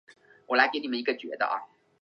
由于性别而导致的歧视。